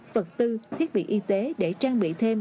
vật tư thiết bị y tế để trang bị thêm